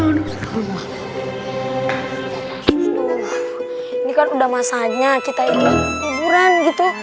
ini kan udah masanya kita ini liburan gitu